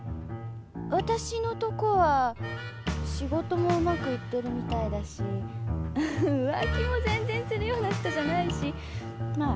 私のとこは仕事もうまくいってるみたいだし浮気も全然するような人じゃないしまあ